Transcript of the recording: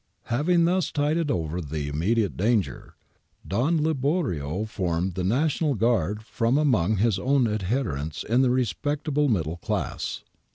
Having thus tided over the immediate danger, Don Liborio formed the National Guard from among his own adherents in the respectable middle class.